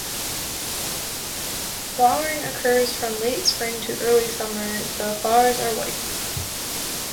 Flowering occurs from late spring to early summer the flowers are white.